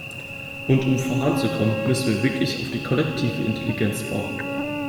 Und um voranzukommen, müssen wir wirklich auf die kollektive Intelligenz bauen.